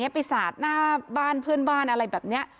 ไปสาดหน้าบ้านเพื่อนบ้านอะไรแบบนี้